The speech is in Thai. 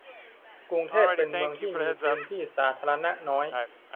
กรุงเทพเป็นเมืองที่มีพื้นที่สาธารณะน้อย